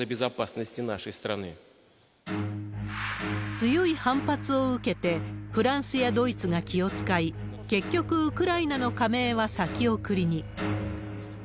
強い反発を受けて、フランスやドイツが気を遣い、結局、ウクライナの加盟は先送りに。